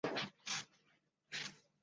母王氏。